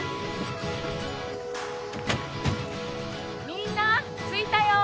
みんな着いたよ！